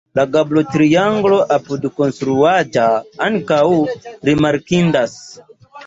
La gablotrianglo apudkonstruaĵa ankaŭ rimarkindas.